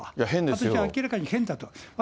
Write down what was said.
私は明らかに変だと思います。